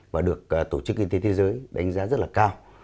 và được tổ chức y tế thế giới đánh giá rất là cao